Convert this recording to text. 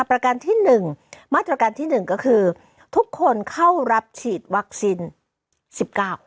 ประการที่หนึ่งมาตรการที่หนึ่งก็คือทุกคนเข้ารับฉีดวัคซีนสิบเก้า